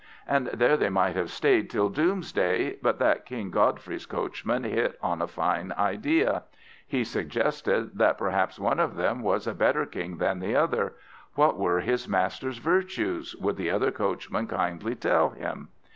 And there they might have stayed till doomsday, but that King Godfrey's coachman hit on a fine idea. He suggested that perhaps one of them was a better King than the other; what were his master's virtues, would the other coachman kindly tell him?